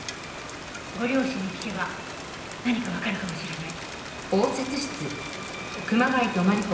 ご両親に聞けば何かわかるかもしれない。